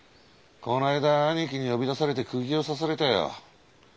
この間兄貴に呼び出されて釘を刺されたよ。